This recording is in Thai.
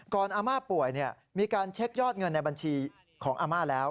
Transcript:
อาม่าป่วยมีการเช็คยอดเงินในบัญชีของอาม่าแล้ว